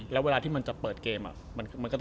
แล้วเวลาที่มันจะเปิดเกม